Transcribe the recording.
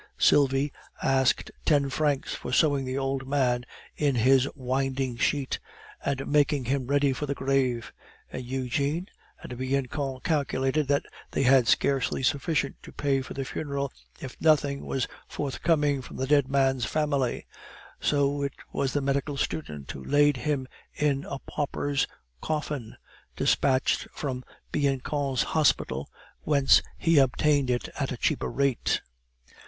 Sylvie asked ten francs for sewing the old man in his winding sheet and making him ready for the grave, and Eugene and Bianchon calculated that they had scarcely sufficient to pay for the funeral, if nothing was forthcoming from the dead man's family. So it was the medical student who laid him in a pauper's coffin, despatched from Bianchon's hospital, whence he obtained it at a cheaper rate.